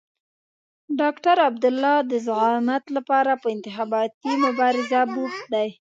ډاکټر عبدالله د زعامت لپاره په انتخاباتي مبارزه بوخت دی.